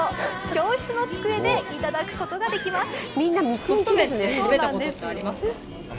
教室の机で頂くことができます。